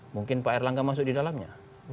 mungkin pak erlangga masuk di dalamnya